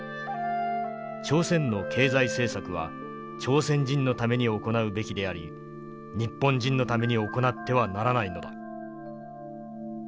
朝鮮の経済政策は朝鮮人のために行うべきであり日本人のために行ってはならないのだ」。